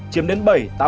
chiếm đến bảy tám mươi